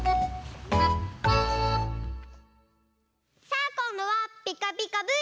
さあこんどは「ピカピカブ！」